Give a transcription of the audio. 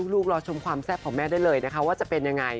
ลูกรอชมความแซ่บของแม่ได้เลยว่าจะเป็นอย่างไร